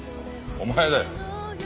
お前だよ。